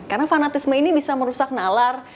karena fanatisme ini bisa merusak nalar